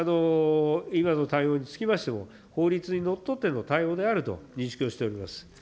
今の対応につきましても、法律にのっとっての対応であると認識をしております。